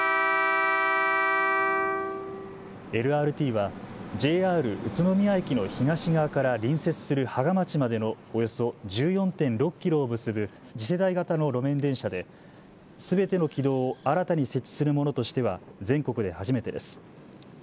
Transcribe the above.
ＬＲＴはＪＲ宇都宮駅の東側から隣接する芳賀町までのおよそ１４．６キロを結ぶ次世代型の路面電車ですべての軌道を新たに設置するものとしては全国で初めてです。